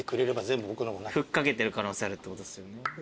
吹っ掛けてる可能性あるってことですよね。